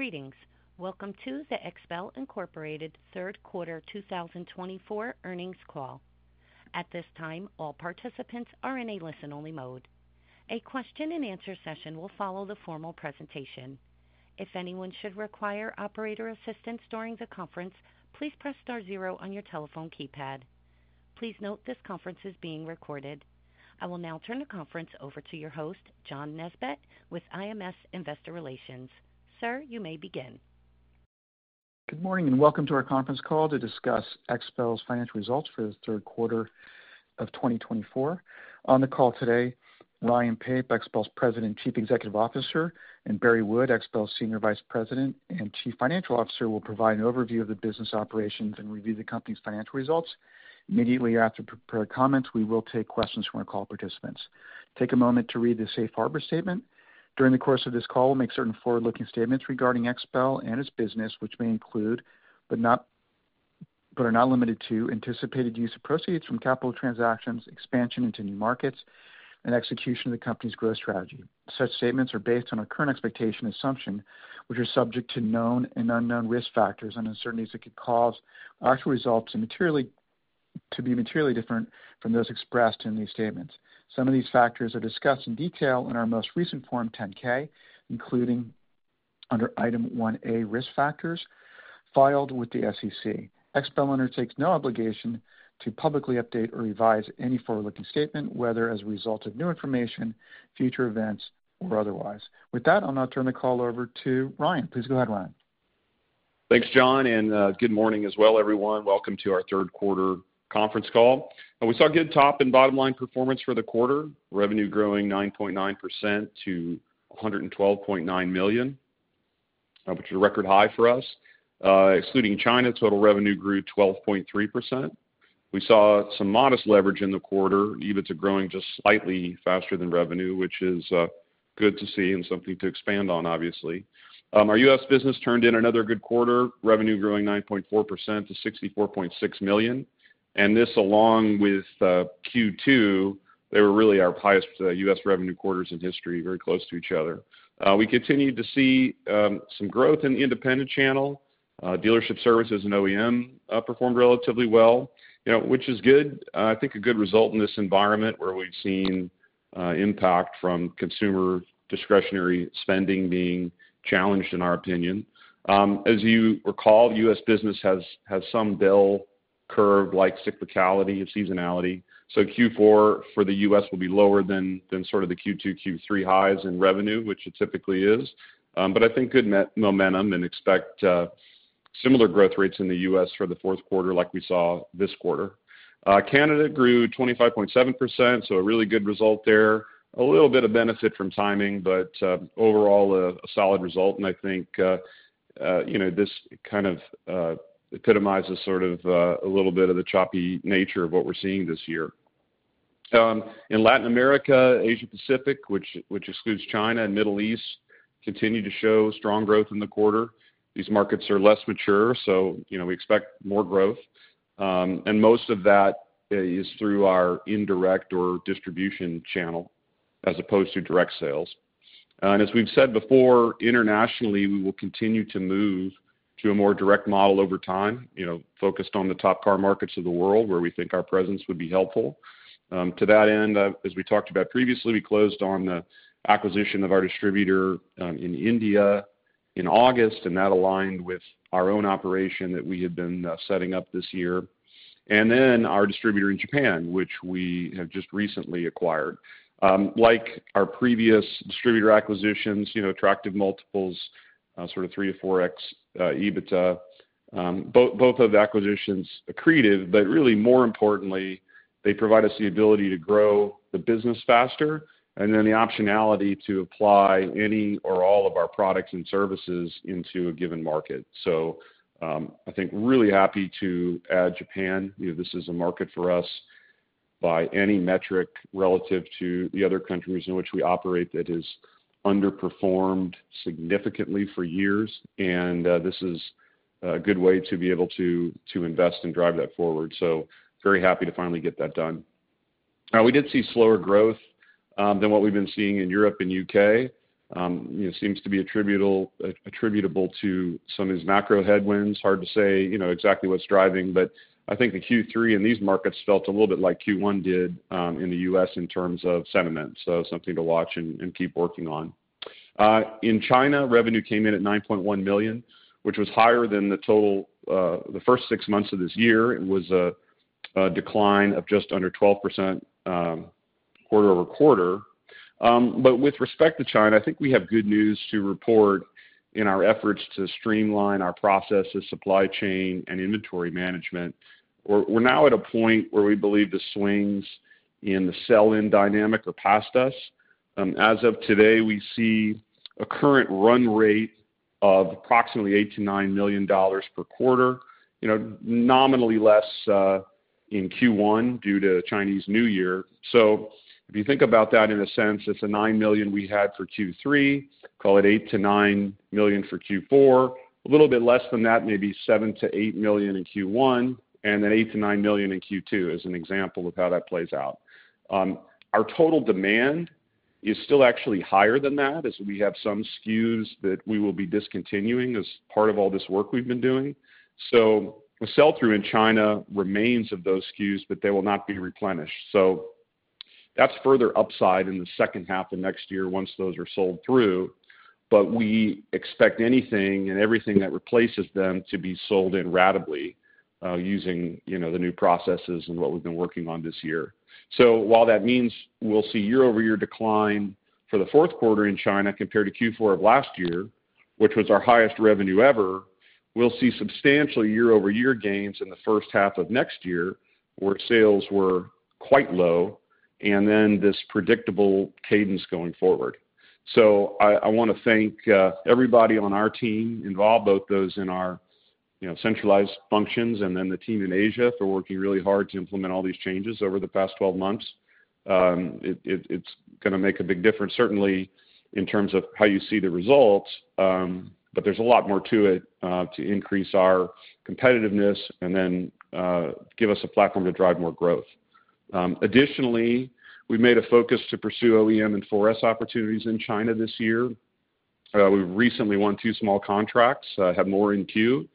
Greetings. Welcome to the XPEL Incorporated Third Quarter 2024 earnings call. At this time, all participants are in a listen-only mode. A question-and-answer session will follow the formal presentation. If anyone should require operator assistance during the conference, please press star zero on your telephone keypad. Please note this conference is being recorded. I will now turn the conference over to your host, John Nesbett, with IMS Investor Relations. Sir, you may begin. Good morning and welcome to our conference call to discuss XPEL's financial results for the third quarter of 2024. On the call today, Ryan Pape, XPEL's President and Chief Executive Officer, and Barry Wood, XPEL's Senior Vice President and Chief Financial Officer, will provide an overview of the business operations and review the company's financial results. Immediately after prepared comments, we will take questions from our call participants. Take a moment to read the Safe Harbor Statement. During the course of this call, we'll make certain forward-looking statements regarding XPEL and its business, which may include but are not limited to anticipated use of proceeds from capital transactions, expansion into new markets, and execution of the company's growth strategy. Such statements are based on our current expectations and assumptions, which are subject to known and unknown risk factors and uncertainties that could cause actual results to be materially different from those expressed in these statements. Some of these factors are discussed in detail in our most recent Form 10-K, including under Item 1A, Risk Factors, filed with the SEC. XPEL undertakes no obligation to publicly update or revise any forward-looking statement, whether as a result of new information, future events, or otherwise. With that, I'll now turn the call over to Ryan. Please go ahead, Ryan. Thanks, John, and good morning as well, everyone. Welcome to our third quarter conference call. We saw good top and bottom line performance for the quarter. Revenue growing 9.9% to $112.9 million, which is a record high for us. Excluding China, total revenue grew 12.3%. We saw some modest leverage in the quarter. EBITDA growing just slightly faster than revenue, which is good to see and something to expand on, obviously. Our U.S. business turned in another good quarter. Revenue growing 9.4% to $64.6 million. And this, along with Q2, they were really our highest U.S. revenue quarters in history, very close to each other. We continued to see some growth in the independent channel. Dealership services and OEM performed relatively well, which is good. I think a good result in this environment where we've seen impact from consumer discretionary spending being challenged, in our opinion. As you recall, U.S. Business has some bell curve-like cyclicality and seasonality. So Q4 for the U.S. will be lower than sort of the Q2, Q3 highs in revenue, which it typically is. But I think good momentum and expect similar growth rates in the U.S. for the fourth quarter like we saw this quarter. Canada grew 25.7%, so a really good result there. A little bit of benefit from timing, but overall a solid result. And I think this kind of epitomizes sort of a little bit of the choppy nature of what we're seeing this year. In Latin America, Asia-Pacific, which excludes China and the Middle East, continued to show strong growth in the quarter. These markets are less mature, so we expect more growth. And most of that is through our indirect or distribution channel as opposed to direct sales. And as we've said before, internationally, we will continue to move to a more direct model over time, focused on the top car markets of the world where we think our presence would be helpful. To that end, as we talked about previously, we closed on the acquisition of our distributor in India in August, and that aligned with our own operation that we had been setting up this year. And then our distributor in Japan, which we have just recently acquired. Like our previous distributor acquisitions, attractive multiples, sort of 3x to 4x EBITDA. Both of the acquisitions are accretive, but really more importantly, they provide us the ability to grow the business faster and then the optionality to apply any or all of our products and services into a given market. So I think really happy to add Japan. This is a market for us by any metric relative to the other countries in which we operate that has underperformed significantly for years, and this is a good way to be able to invest and drive that forward, so very happy to finally get that done. We did see slower growth than what we've been seeing in Europe and the U.K. Seems to be attributable to some of these macro headwinds. Hard to say exactly what's driving, but I think the Q3 in these markets felt a little bit like Q1 did in the U.S. in terms of sentiment. So something to watch and keep working on. In China, revenue came in at $9.1 million, which was higher than the total the first six months of this year. It was a decline of just under 12% quarter over quarter. But with respect to China, I think we have good news to report in our efforts to streamline our processes, supply chain, and inventory management. We're now at a point where we believe the swings in the sell-in dynamic are past us. As of today, we see a current run rate of approximately $8-$9 million per quarter, nominally less in Q1 due to Chinese New Year. So if you think about that in a sense, it's a $9 million we had for Q3, call it $8-$9 million for Q4. A little bit less than that, maybe $7-$8 million in Q1, and then $8-$9 million in Q2 as an example of how that plays out. Our total demand is still actually higher than that, as we have some SKUs that we will be discontinuing as part of all this work we've been doing. So the sell-through in China remains of those SKUs, but they will not be replenished. So that's further upside in the second half of next year once those are sold through. But we expect anything and everything that replaces them to be sell-in radically using the new processes and what we've been working on this year. So while that means we'll see year-over-year decline for the fourth quarter in China compared to Q4 of last year, which was our highest revenue ever, we'll see substantial year-over-year gains in the first half of next year where sales were quite low, and then this predictable cadence going forward. So I want to thank everybody on our team involved, both those in our centralized functions and then the team in Asia for working really hard to implement all these changes over the past 12 months. It's going to make a big difference, certainly in terms of how you see the results, but there's a lot more to it to increase our competitiveness and then give us a platform to drive more growth. Additionally, we've made a focus to pursue OEM and 4S opportunities in China this year. We've recently won two small contracts, have more in queue,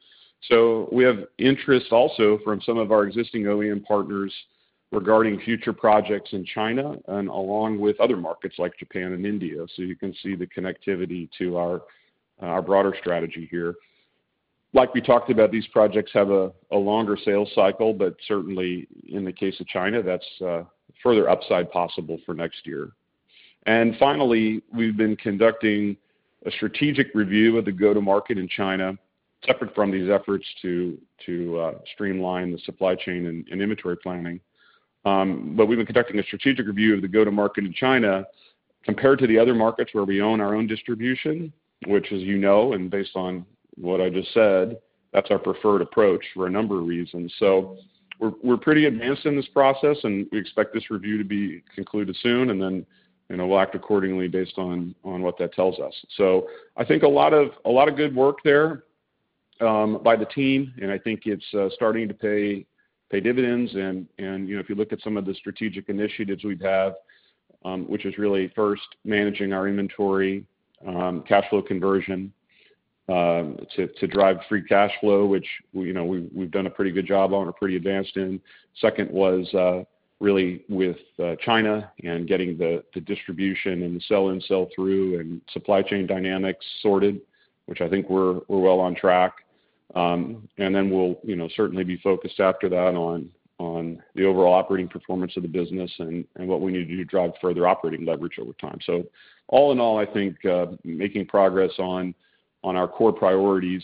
so we have interest also from some of our existing OEM partners regarding future projects in China and along with other markets like Japan and India, so you can see the connectivity to our broader strategy here. Like we talked about, these projects have a longer sales cycle, but certainly in the case of China, that's further upside possible for next year, and finally, we've been conducting a strategic review of the go-to-market in China, separate from these efforts to streamline the supply chain and inventory planning. But we've been conducting a strategic review of the go-to-market in China compared to the other markets where we own our own distribution, which, as you know, and based on what I just said, that's our preferred approach for a number of reasons. So we're pretty advanced in this process, and we expect this review to be concluded soon, and then we'll act accordingly based on what that tells us. So I think a lot of good work there by the team, and I think it's starting to pay dividends. And if you look at some of the strategic initiatives we've had, which is really first managing our inventory, cash flow conversion to drive free cash flow, which we've done a pretty good job on, we're pretty advanced in. Second was really with China and getting the distribution and the sell-in, sell-through, and supply chain dynamics sorted, which I think we're well on track. And then we'll certainly be focused after that on the overall operating performance of the business and what we need to do to drive further operating leverage over time. So all in all, I think making progress on our core priorities,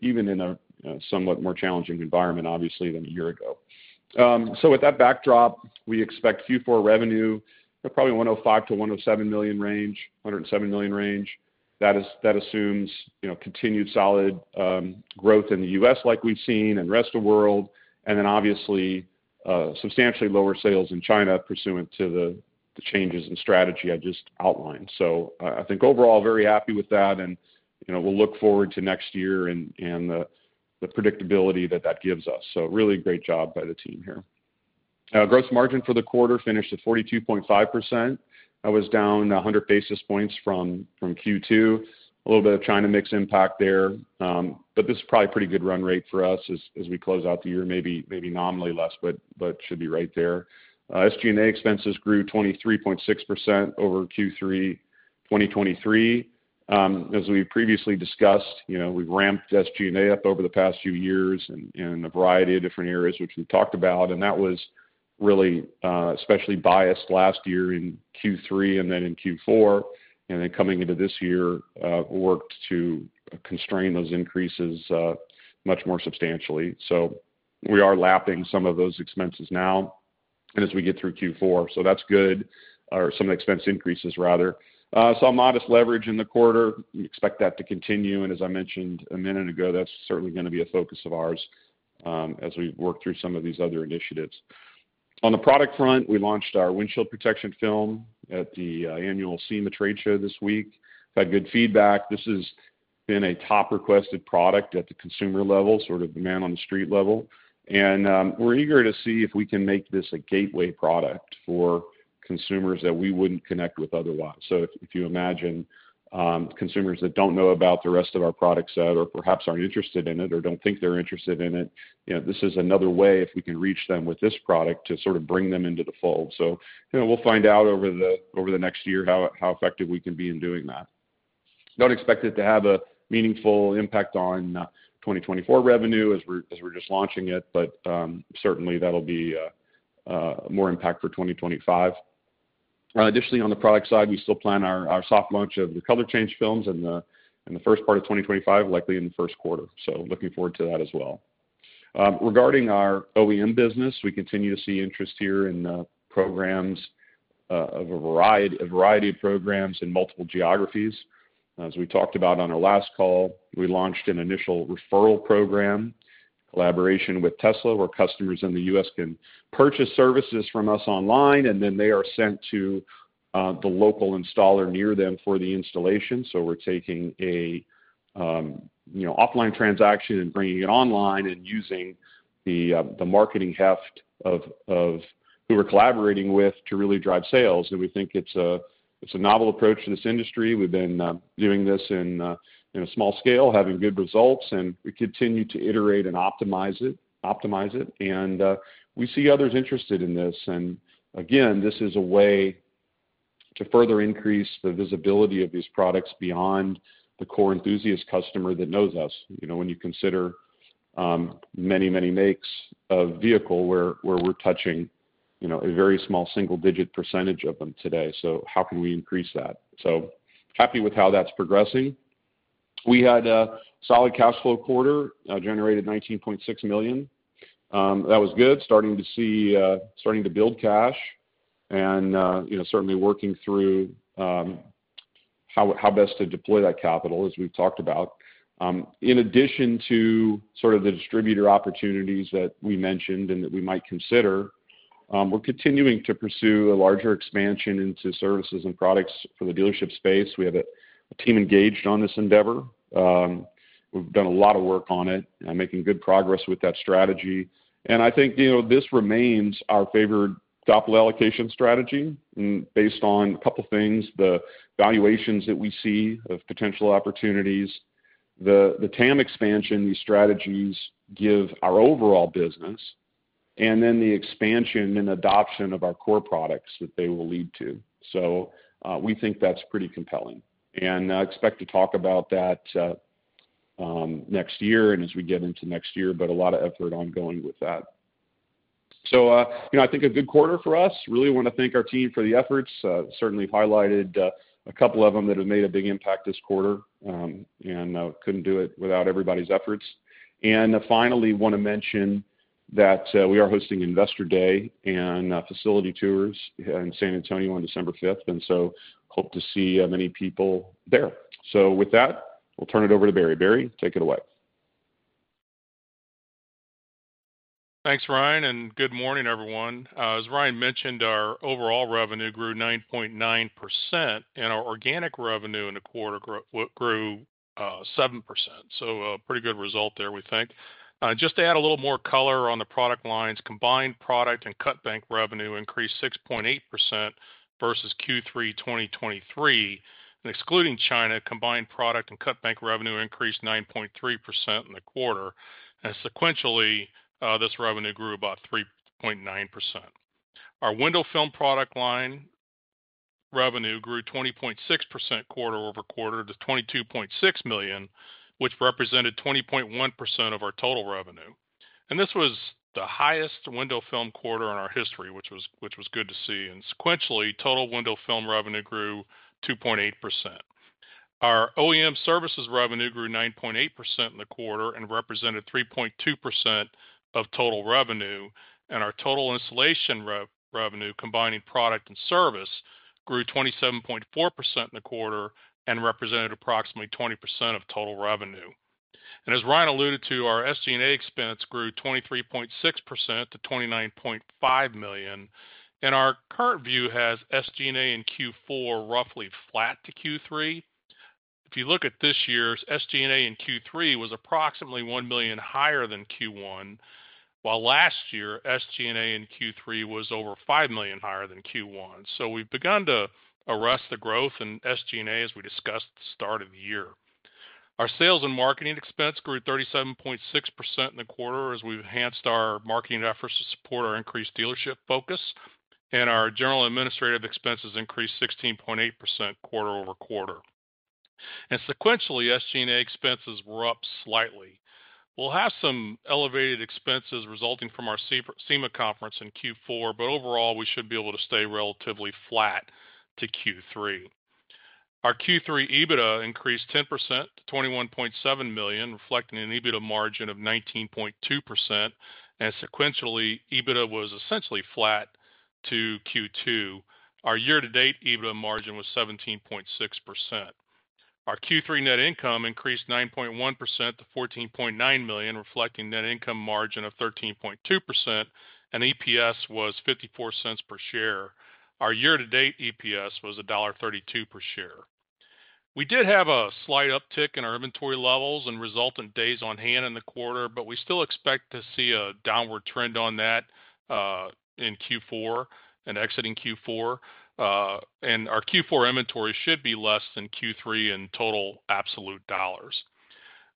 even in a somewhat more challenging environment, obviously, than a year ago. So with that backdrop, we expect Q4 revenue probably $105-$107 million range, $107 million range. That assumes continued solid growth in the U.S. like we've seen and the rest of the world, and then obviously substantially lower sales in China pursuant to the changes in strategy I just outlined. So I think overall very happy with that, and we'll look forward to next year and the predictability that that gives us. So really great job by the team here. Gross margin for the quarter finished at 42.5%. That was down 100 basis points from Q2. A little bit of China mix impact there, but this is probably a pretty good run rate for us as we close out the year, maybe nominally less, but should be right there. SG&A expenses grew 23.6% over Q3 2023. As we previously discussed, we've ramped SG&A up over the past few years in a variety of different areas, which we've talked about, and that was really especially biased last year in Q3 and then in Q4. And then coming into this year, we worked to constrain those increases much more substantially. We are lapping some of those expenses now as we get through Q4. That's good, or some of the expense increases, rather. Saw modest leverage in the quarter. We expect that to continue. As I mentioned a minute ago, that's certainly going to be a focus of ours as we work through some of these other initiatives. On the product front, we launched our windshield protection film at the annual SEMA trade show this week. Got good feedback. This has been a top requested product at the consumer level, sort of the man on the street level. We're eager to see if we can make this a gateway product for consumers that we wouldn't connect with otherwise. So if you imagine consumers that don't know about the rest of our product set or perhaps aren't interested in it or don't think they're interested in it, this is another way if we can reach them with this product to sort of bring them into the fold. So we'll find out over the next year how effective we can be in doing that. Don't expect it to have a meaningful impact on 2024 revenue as we're just launching it, but certainly that'll be more impact for 2025. Additionally, on the product side, we still plan our soft launch of the color change films in the first part of 2025, likely in the first quarter. So looking forward to that as well. Regarding our OEM business, we continue to see interest here in programs, a variety of programs in multiple geographies. As we talked about on our last call, we launched an initial referral program, collaboration with Tesla, where customers in the U.S. can purchase services from us online, and then they are sent to the local installer near them for the installation. So we're taking an offline transaction and bringing it online and using the marketing heft of who we're collaborating with to really drive sales. And we think it's a novel approach to this industry. We've been doing this in a small scale, having good results, and we continue to iterate and optimize it. And we see others interested in this. And again, this is a way to further increase the visibility of these products beyond the core enthusiast customer that knows us. When you consider many, many makes of vehicle where we're touching a very small single-digit % of them today, so how can we increase that? So happy with how that's progressing. We had a solid cash flow quarter, generated $19.6 million. That was good, starting to build cash and certainly working through how best to deploy that capital, as we've talked about. In addition to sort of the distributor opportunities that we mentioned and that we might consider, we're continuing to pursue a larger expansion into services and products for the dealership space. We have a team engaged on this endeavor. We've done a lot of work on it, making good progress with that strategy. And I think this remains our favorite capital allocation strategy based on a couple of things: the valuations that we see of potential opportunities, the TAM expansion these strategies give our overall business, and then the expansion and adoption of our core products that they will lead to. So we think that's pretty compelling. And I expect to talk about that next year and as we get into next year, but a lot of effort ongoing with that. So I think a good quarter for us. Really want to thank our team for the efforts. Certainly highlighted a couple of them that have made a big impact this quarter and couldn't do it without everybody's efforts. And finally, want to mention that we are hosting Investor Day and facility tours in San Antonio on December 5th, and so hope to see many people there. So with that, we'll turn it over to Barry. Barry, take it away. Thanks, Ryan, and good morning, everyone. As Ryan mentioned, our overall revenue grew 9.9%, and our organic revenue in the quarter grew 7%. So a pretty good result there, we think. Just to add a little more color on the product lines, combined product and cutbank revenue increased 6.8% versus Q3 2023. And excluding China, combined product and cut bank revenue increased 9.3% in the quarter. And sequentially, this revenue grew about 3.9%. Our window film product line revenue grew 20.6% quarter over quarter to $22.6 million, which represented 20.1% of our total revenue. And this was the highest window film quarter in our history, which was good to see. And sequentially, total window film revenue grew 2.8%. Our OEM services revenue grew 9.8% in the quarter and represented 3.2% of total revenue. Our total installation revenue, combining product and service, grew 27.4% in the quarter and represented approximately 20% of total revenue. As Ryan alluded to, our SG&A expense grew 23.6% to $29.5 million. Our current view has SG&A in Q4 roughly flat to Q3. If you look at this year, SG&A in Q3 was approximately $1 million higher than Q1, while last year, SG&A in Q3 was over $5 million higher than Q1. We've begun to arrest the growth in SG&A, as we discussed at the start of the year. Our sales and marketing expense grew 37.6% in the quarter as we've enhanced our marketing efforts to support our increased dealership focus. Our general administrative expenses increased 16.8% quarter over quarter. Sequentially, SG&A expenses were up slightly. We'll have some elevated expenses resulting from our SEMA conference in Q4, but overall, we should be able to stay relatively flat to Q3. Our Q3 EBITDA increased 10% to $21.7 million, reflecting an EBITDA margin of 19.2%, and sequentially, EBITDA was essentially flat to Q2. Our year-to-date EBITDA margin was 17.6%. Our Q3 net income increased 9.1% to $14.9 million, reflecting net income margin of 13.2%, and EPS was $0.54 per share. Our year-to-date EPS was $1.32 per share. We did have a slight uptick in our inventory levels and resultant days on hand in the quarter, but we still expect to see a downward trend on that in Q4 and exiting Q4, and our Q4 inventory should be less than Q3 in total absolute dollars.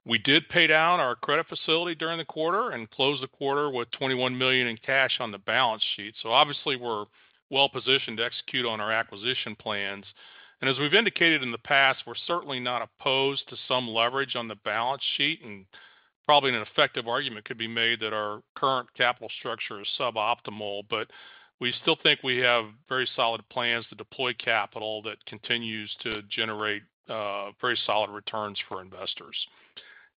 We did pay down our credit facility during the quarter and close the quarter with $21 million in cash on the balance sheet. So obviously, we're well positioned to execute on our acquisition plans. And as we've indicated in the past, we're certainly not opposed to some leverage on the balance sheet. And probably an effective argument could be made that our current capital structure is suboptimal, but we still think we have very solid plans to deploy capital that continues to generate very solid returns for investors.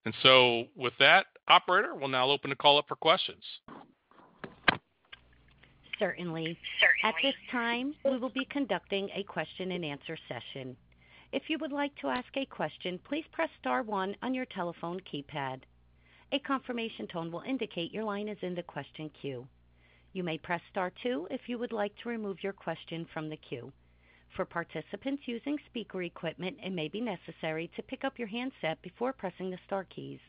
And so with that, operator, we'll now open a call up for questions. Certainly. At this time, we will be conducting a question-and-answer session. If you would like to ask a question, please press star one on your telephone keypad. A confirmation tone will indicate your line is in the question queue. You may press star two if you would like to remove your question from the queue. For participants using speaker equipment, it may be necessary to pick up your handset before pressing the star keys.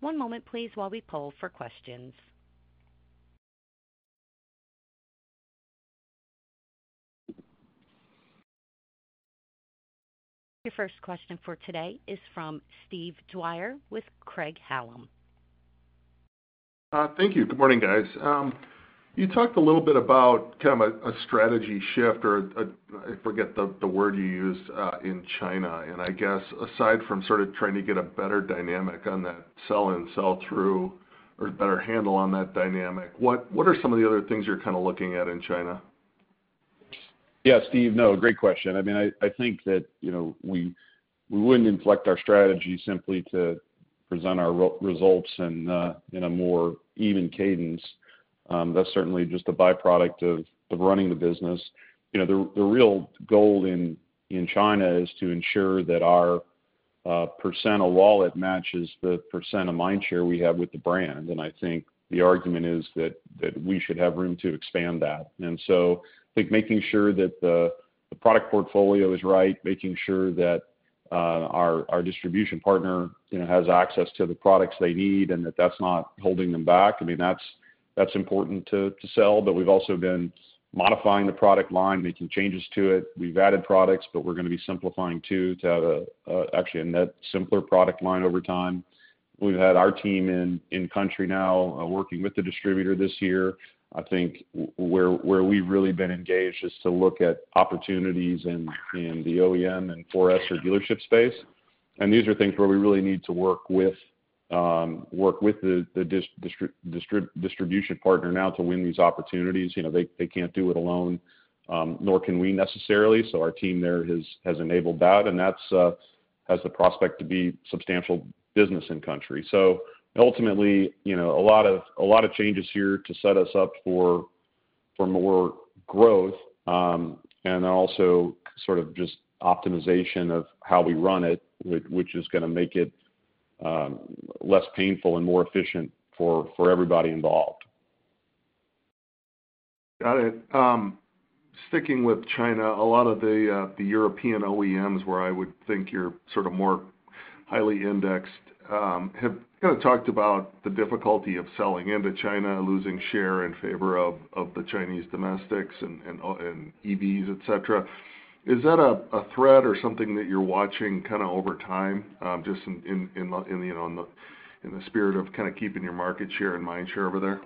One moment, please, while we poll for questions. Your first question for today is from Steve Dyer with Craig-Hallum. Thank you. Good morning, guys. You talked a little bit about kind of a strategy shift or, I forget the word you used, in China. And I guess, aside from sort of trying to get a better dynamic on that sell-in sell-through or a better handle on that dynamic, what are some of the other things you're kind of looking at in China? Yeah, Steve, no, great question. I mean, I think that we wouldn't inflect our strategy simply to present our results in a more even cadence. That's certainly just a byproduct of running the business. The real goal in China is to ensure that our percent of wallet matches the percent of mind share we have with the brand. And I think the argument is that we should have room to expand that. And so I think making sure that the product portfolio is right, making sure that our distribution partner has access to the products they need and that that's not holding them back. I mean, that's important to sell, but we've also been modifying the product line, making changes to it. We've added products, but we're going to be simplifying too to have actually a net simpler product line over time. We've had our team in country now working with the distributor this year. I think where we've really been engaged is to look at opportunities in the OEM and 4S or dealership space, and these are things where we really need to work with the distribution partner now to win these opportunities. They can't do it alone, nor can we necessarily, so our team there has enabled that, and that has the prospect to be substantial business in country, so ultimately, a lot of changes here to set us up for more growth and also sort of just optimization of how we run it, which is going to make it less painful and more efficient for everybody involved. Got it. Sticking with China, a lot of the European OEMs where I would think you're sort of more highly indexed have kind of talked about the difficulty of selling into China, losing share in favor of the Chinese domestics and EVs, etc. Is that a threat or something that you're watching kind of over time, just in the spirit of kind of keeping your market share and mind share over there?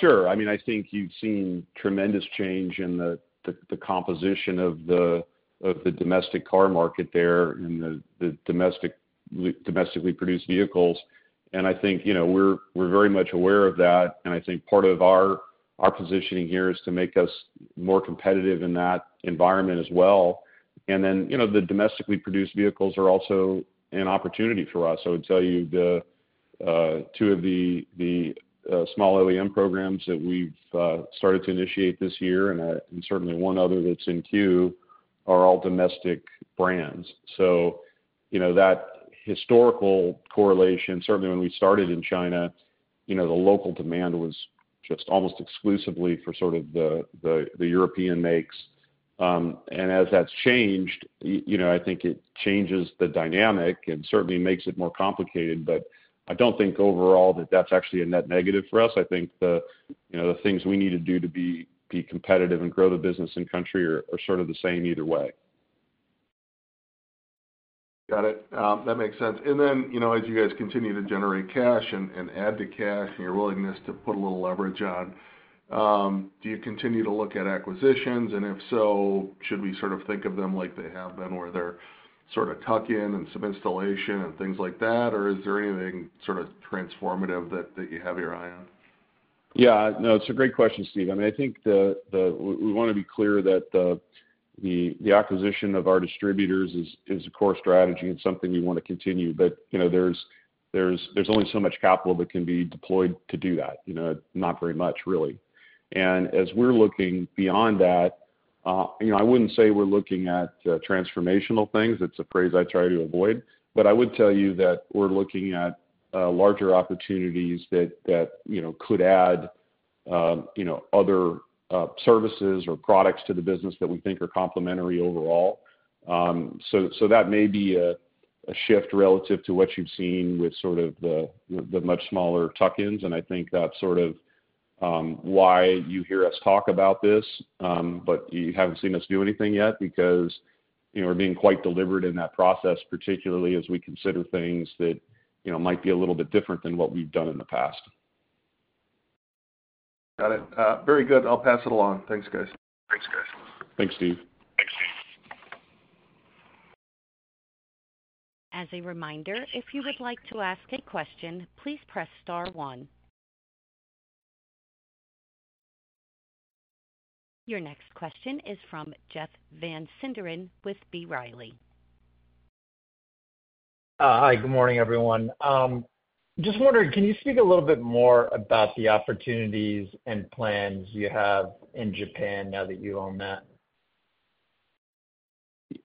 Sure. I mean, I think you've seen tremendous change in the composition of the domestic car market there and the domestically produced vehicles. And I think we're very much aware of that. And I think part of our positioning here is to make us more competitive in that environment as well. And then the domestically produced vehicles are also an opportunity for us. I would tell you two of the small OEM programs that we've started to initiate this year and certainly one other that's in queue are all domestic brands. So that historical correlation, certainly when we started in China, the local demand was just almost exclusively for sort of the European makes. And as that's changed, I think it changes the dynamic and certainly makes it more complicated, but I don't think overall that that's actually a net negative for us. I think the things we need to do to be competitive and grow the business in country are sort of the same either way. Got it. That makes sense, and then as you guys continue to generate cash and add to cash and your willingness to put a little leverage on, do you continue to look at acquisitions? And if so, should we sort of think of them like they have been where they're sort of tuck in and some installation and things like that? Or is there anything sort of transformative that you have your eye on? Yeah, no, it's a great question, Steve. I mean, I think we want to be clear that the acquisition of our distributors is a core strategy and something we want to continue, but there's only so much capital that can be deployed to do that. Not very much, really. And as we're looking beyond that, I wouldn't say we're looking at transformational things. It's a phrase I try to avoid, but I would tell you that we're looking at larger opportunities that could add other services or products to the business that we think are complementary overall. So that may be a shift relative to what you've seen with sort of the much smaller tuck-ins. I think that's sort of why you hear us talk about this, but you haven't seen us do anything yet because we're being quite deliberate in that process, particularly as we consider things that might be a little bit different than what we've done in the past. Got it. Very good. I'll pass it along. Thanks, guys. Thanks, guys. Thanks, Steve. Thanks, Steve. As a reminder, if you would like to ask a question, please press star one. Your next question is from Jeff Van Sinderen with B. Riley. Hi, good morning, everyone. Just wondering, can you speak a little bit more about the opportunities and plans you have in Japan now that you own that?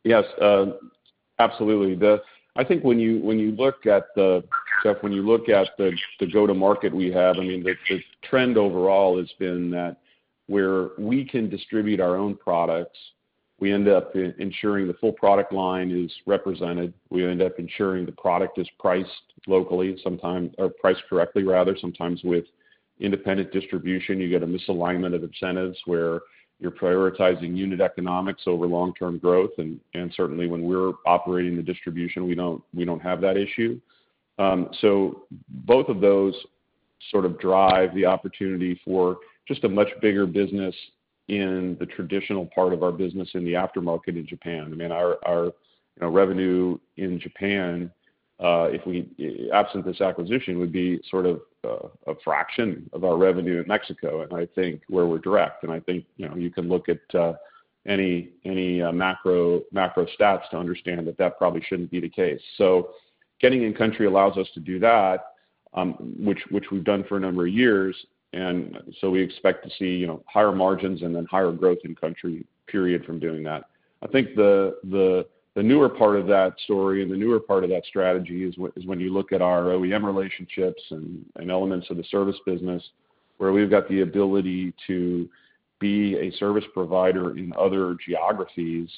Yes, absolutely. I think when you look at it, Jeff, when you look at the go-to-market we have, I mean, the trend overall has been that where we can distribute our own products, we end up ensuring the full product line is represented. We end up ensuring the product is priced locally or priced correctly, rather, sometimes with independent distribution. You get a misalignment of incentives where you're prioritizing unit economics over long-term growth. And certainly, when we're operating the distribution, we don't have that issue. So both of those sort of drive the opportunity for just a much bigger business in the traditional part of our business in the aftermarket in Japan. I mean, our revenue in Japan, absent this acquisition, would be sort of a fraction of our revenue in Mexico, and I think where we're direct. And I think you can look at any macro stats to understand that that probably shouldn't be the case. So getting in country allows us to do that, which we've done for a number of years. And so we expect to see higher margins and then higher growth in country period from doing that. I think the newer part of that story and the newer part of that strategy is when you look at our OEM relationships and elements of the service business where we've got the ability to be a service provider in other geographies,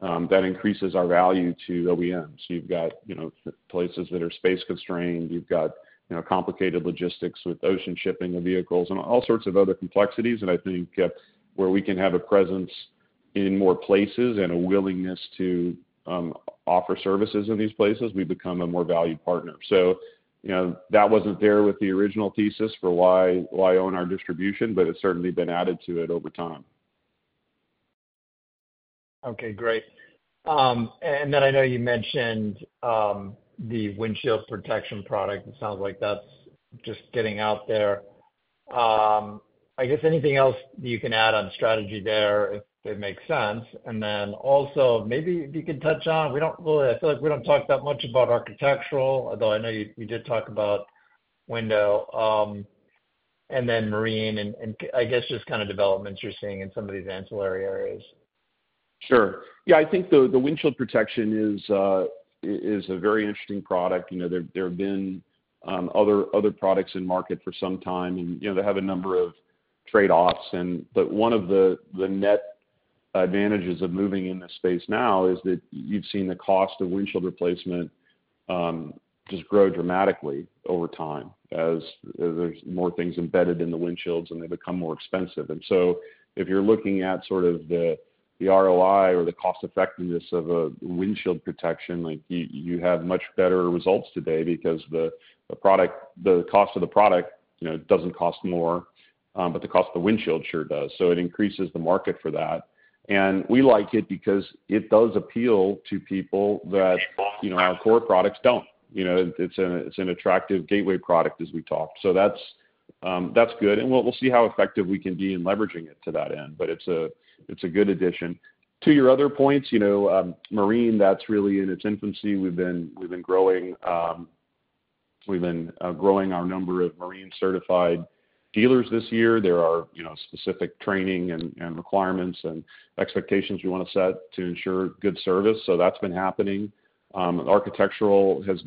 that increases our value to OEMs. You've got places that are space constrained. You've got complicated logistics with ocean shipping of vehicles and all sorts of other complexities. And I think where we can have a presence in more places and a willingness to offer services in these places, we become a more valued partner. So that wasn't there with the original thesis for why own our distribution, but it's certainly been added to it over time. Okay, great. And then I know you mentioned the windshield protection product. It sounds like that's just getting out there. I guess anything else that you can add on strategy there if it makes sense. And then also maybe if you could touch on, I feel like we don't talk that much about architectural, although I know you did talk about window and then marine and I guess just kind of developments you're seeing in some of these ancillary areas. Sure. Yeah, I think the windshield protection is a very interesting product. There have been other products in market for some time, and they have a number of trade-offs. But one of the net advantages of moving in this space now is that you've seen the cost of windshield replacement just grow dramatically over time as there's more things embedded in the windshields, and they become more expensive. And so if you're looking at sort of the ROI or the cost-effectiveness of a windshield protection, you have much better results today because the cost of the product doesn't cost more, but the cost of the windshield sure does. So it increases the market for that. And we like it because it does appeal to people that our core products don't. It's an attractive gateway product as we talk. So that's good. And we'll see how effective we can be in leveraging it to that end, but it's a good addition. To your other points, marine, that's really in its infancy. We've been growing our number of marine-certified dealers this year. There are specific training and requirements and expectations we want to set to ensure good service. So that's been happening. Architectural has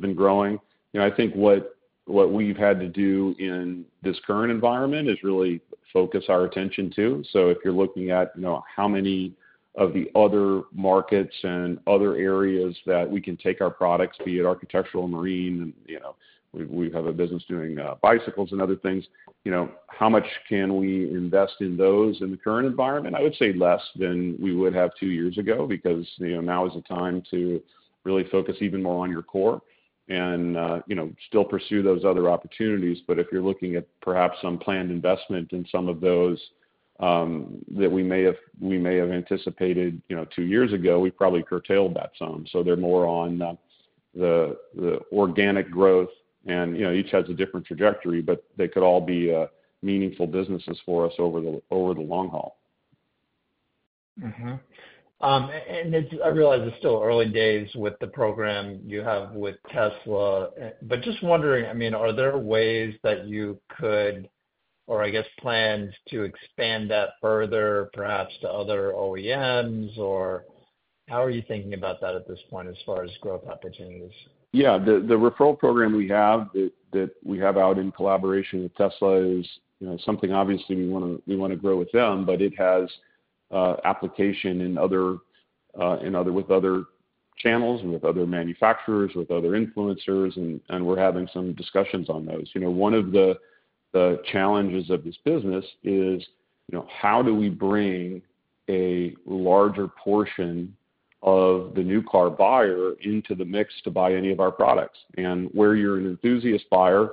been growing. I think what we've had to do in this current environment is really focus our attention too. So if you're looking at how many of the other markets and other areas that we can take our products, be it architectural and marine, and we have a business doing bicycles and other things, how much can we invest in those in the current environment? I would say less than we would have two years ago because now is the time to really focus even more on your core and still pursue those other opportunities. But if you're looking at perhaps some planned investment in some of those that we may have anticipated two years ago, we probably curtailed that some. So they're more on the organic growth, and each has a different trajectory, but they could all be meaningful businesses for us over the long haul. I realize it's still early days with the program you have with Tesla, but just wondering, I mean, are there ways that you could, or I guess, plans to expand that further, perhaps to other OEMs, or how are you thinking about that at this point as far as growth opportunities? Yeah, the referral program we have out in collaboration with Tesla is something obviously we want to grow with them, but it has application with other channels, with other manufacturers, with other influencers, and we're having some discussions on those. One of the challenges of this business is how do we bring a larger portion of the new car buyer into the mix to buy any of our products? And where you're an enthusiast buyer,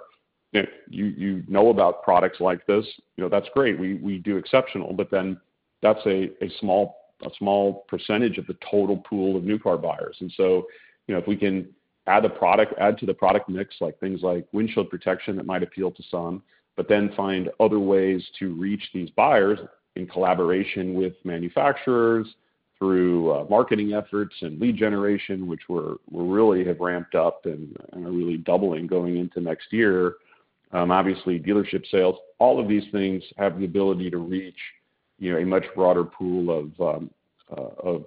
you know about products like this, that's great. We do exceptional, but then that's a small percentage of the total pool of new car buyers. And so if we can add to the product mix, like things like windshield protection that might appeal to some, but then find other ways to reach these buyers in collaboration with manufacturers through marketing efforts and lead generation, which really have ramped up and are really doubling going into next year, obviously dealership sales, all of these things have the ability to reach a much broader pool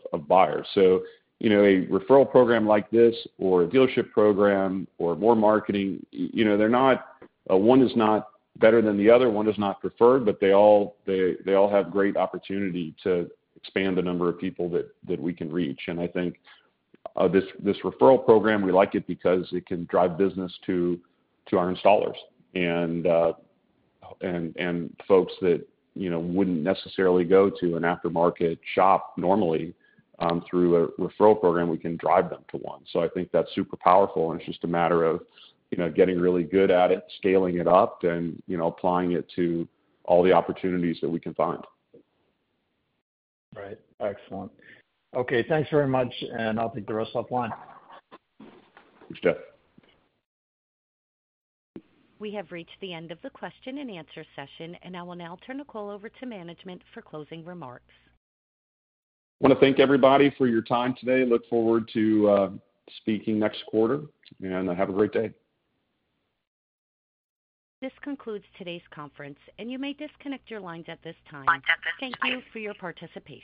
of buyers. So a referral program like this or a dealership program or more marketing, one is not better than the other. One is not preferred, but they all have great opportunity to expand the number of people that we can reach. And I think this referral program, we like it because it can drive business to our installers and folks that wouldn't necessarily go to an aftermarket shop normally through a referral program, we can drive them to one. So I think that's super powerful, and it's just a matter of getting really good at it, scaling it up, and applying it to all the opportunities that we can find. Right. Excellent. Okay, thanks very much, and I'll take the rest offline. Thanks, Jeff. We have reached the end of the question and answer session, and I will now turn the call over to management for closing remarks. Want to thank everybody for your time today. Look forward to speaking next quarter, and have a great day. This concludes today's conference, and you may disconnect your lines at this time. Thank you for your participation.